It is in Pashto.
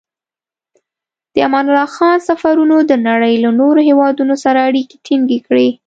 د امان الله خان سفرونو د نړۍ له نورو هېوادونو سره اړیکې ټینګې کړې.